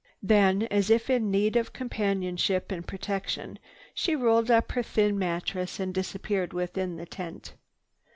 Then, as if in need of companionship and protection, she rolled up her thin mattress and disappeared within the tent.